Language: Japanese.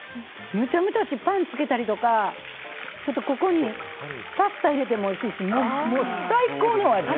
むちゃくちゃいいしパンにつけたりとかここにパスタ入れてもおいしいし最高の味。